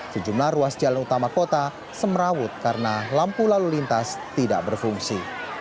sejumlah ruas jalan utama kota semerawut karena lampu lalu lintas tidak berfungsi